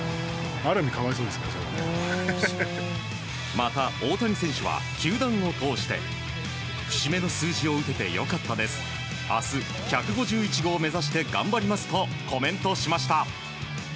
また、大谷選手は球団を通して節目の数字を打てて良かったです明日、１５１号目指して頑張りますとコメントしました。